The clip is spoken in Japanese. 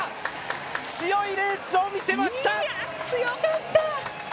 強いレースを見せました！